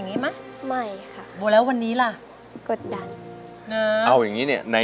เอาอย่างนี้เนี่ย